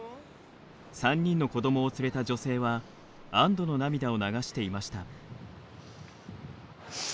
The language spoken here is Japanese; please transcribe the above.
３人の子どもを連れた女性は安どの涙を流していました。